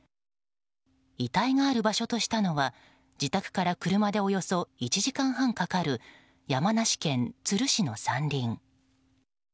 遺体がある場所としたのは自宅から車でおよそ１時間半かかる山梨県都留市の山林。